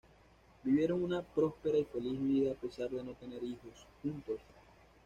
Vivieron una próspera y feliz vida a pesar de no tener hijos juntos.